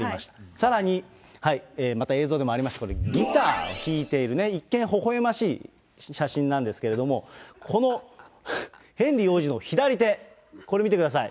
さらに、また映像でもありました、これ、ギターを弾いているね、一見ほほえましい写真なんですけれども、このヘンリー王子の左手、これ見てください。